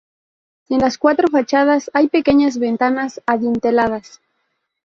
En las cuatro fachadas hay pequeñas ventanas adinteladas.